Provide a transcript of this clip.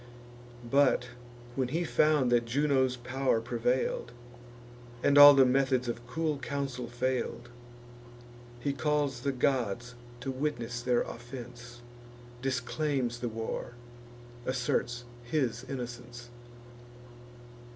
But, when he found that Juno's pow'r prevail'd, And all the methods of cool counsel fail'd, He calls the gods to witness their offence, Disclaims the war, asserts his innocence.